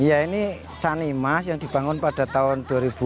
iya ini sanimas yang dibangun pada tahun dua ribu empat belas